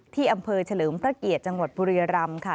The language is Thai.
ที่อำเภอเฉลิมประเกษจังหวัดบุรียรรมค่ะ